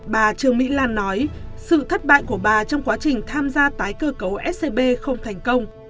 bà trương mỹ lan nói sự thất bại của bà trong quá trình tham gia tái cơ cấu scb không thành công